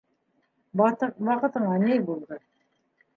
Ваҡытыңа ни булды?